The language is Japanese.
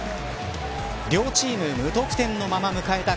両チーム無得点のまま迎えた